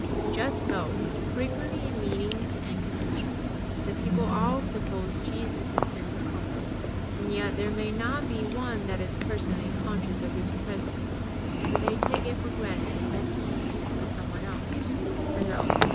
Just so, frequently in meetings and conventions the people all suppose Jesus is in the company, and yet there may not be one that is personally conscious of His presence, but they take it for granted that He is with someone else, and lo